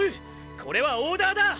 これはオーダーだ！！